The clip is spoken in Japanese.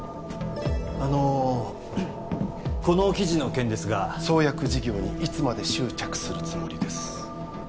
あのこの記事の件ですが創薬事業にいつまで執着するつもりです？